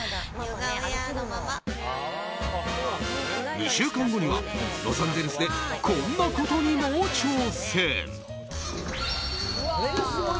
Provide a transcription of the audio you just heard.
２週間後にはロサンゼルスでこんなことにも挑戦。